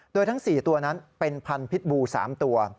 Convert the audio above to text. โดยทั้ง๔ตัวนั้นเป็นพันธุ์พิษบู๓ตัว